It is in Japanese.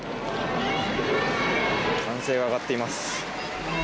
歓声が上がっています。